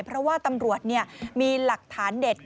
เพราะว่าตำรวจมีหลักฐานเด็ด